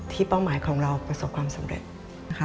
ที่เป้าหมายของเราประสบความสำเร็จ